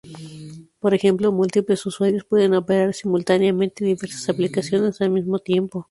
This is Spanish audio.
Por ejemplo, múltiples usuarios pueden operar simultáneamente diversas aplicaciones al mismo tiempo.